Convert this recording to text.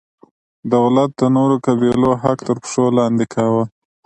دولت د نورو قبیلو حق تر پښو لاندې کاوه.